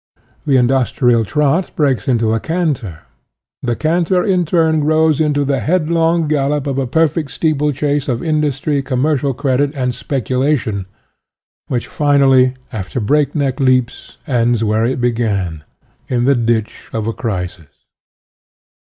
The in dustrial trot breaks into a canter, the canter in turn grows into the headlong gallop of a perfect steeplechase of industry, commer cial credit, and speculation, which finally, after breakneck leaps, ends where it began in the ditch of a crisis.